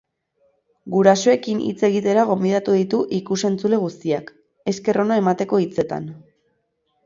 Gurasoekin hitz egitera gonbidatu ditu ikus-entzule guztiak, esker ona emateko hitzetan.